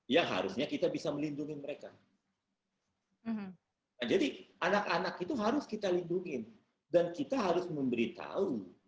ya harusnya kita bisa melindungi mereka jadi anak anak itu harus kita lindungi dan kita harus memberitahu